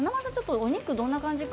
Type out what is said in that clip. お肉どんな感じなのか